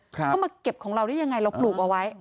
เข้ามาเก็บของเราได้ยังไงเราปลูกเอาไว้